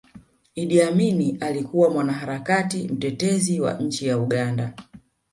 idi amini alikuwa mwanaharakati mtetezi wa nchi ya uganda